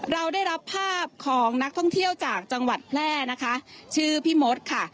เราได้รับภาพของนักท่องเที่ยวจากจังหวัดแพร่นะคะชื่อพี่มดค่ะ